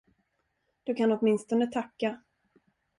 Du kan åtminstone tacka.